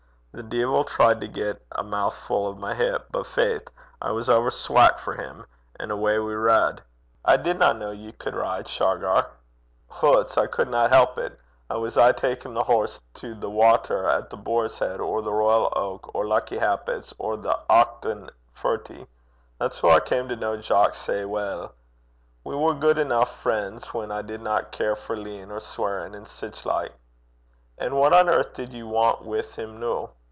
The deevil tried to get a moufu' o' my hip, but, faith! I was ower swack for 'im; an' awa we rade.' 'I didna ken 'at ye cud ride, Shargar.' 'Hoots! I cudna help it. I was aye takin' the horse to the watter at The Boar's Heid, or The Royal Oak, or Lucky Happit's, or The Aucht an' Furty. That's hoo I cam to ken Jock sae weel. We war guid eneuch frien's whan I didna care for leein' or sweirin', an' sic like.' 'And what on earth did ye want wi' 'im noo?'